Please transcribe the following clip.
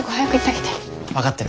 分かってる。